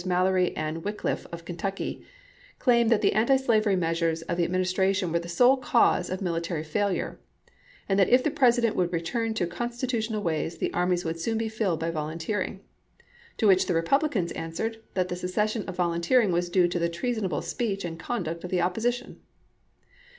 Mallory and Wickliffe of Kentucky, claimed that the antislavery measures of the Ad ministration were the sole cause of military failure, and that if the President would return to constitu tional ways the armies would soon be filled by vol unteering; to which the Republicans answered that the cessation of volunteering was due to the treasonable speech and conduct of the opposition.